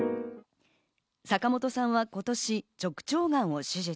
坂本さんは今年、直腸がんを手術。